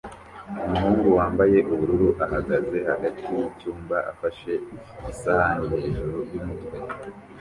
Umuhungu wambaye ubururu ahagaze hagati yicyumba afashe isahani hejuru yumutwe